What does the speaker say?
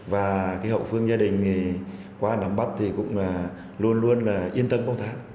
và cái hậu phương gia đình thì qua nắm bắt thì cũng là luôn luôn là yên tâm công tác